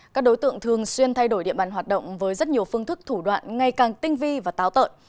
các đối tượng thường xuyên thay đổi địa bàn hoạt động với rất nhiều phương thức thủ đoạn ngay càng tinh vi và táo tợn